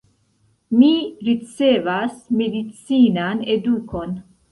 Mi ricevas medicinan edukon.